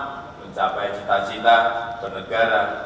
mencapai cita cita bernegara